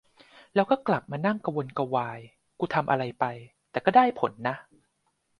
แล้วก็กลับมานั่งกระวนกระวายกูทำอะไรไป แต่ก็ได้ผลนะ